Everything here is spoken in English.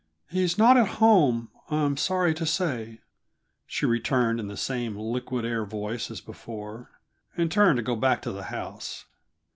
"He's not at home, I'm very sorry to say," she retorted in the same liquid air voice as before, and turned to go back to the house.